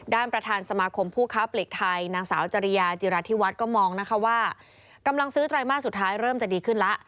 ประธานสมาคมผู้ค้าปลีกไทยนางสาวจริยาจิราธิวัฒน์ก็มองนะคะว่ากำลังซื้อไตรมาสสุดท้ายเริ่มจะดีขึ้นแล้ว